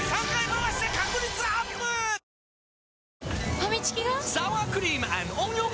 ファミチキが！？